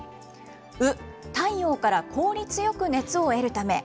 ウ、太陽から効率よく熱を得るため。